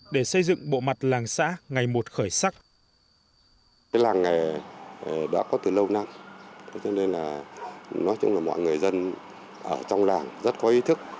để xây dựng bộ mặt làng xã ngày một khởi sắc